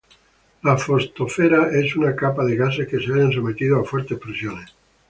La fotosfera es una capa de gases que se hallan sometidos a fuertes presiones.